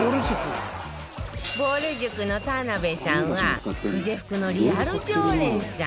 ぼる塾の田辺さんは久世福のリアル常連さん